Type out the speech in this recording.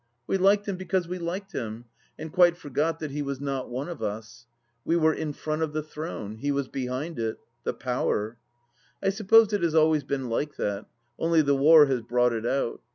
We liked him because we liked him, and quite forgot that he was not one of us. We were in front of the Throne — he was behind it ! The Power. ,.. I suppose it has always been like that, only the war has brought it out.